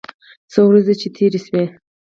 څو ورځې چې تېرې سوې.